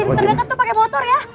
berangkat tuh pake motor ya